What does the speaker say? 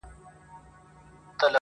سره جمع کړي ټوټې سره پیوند کړي -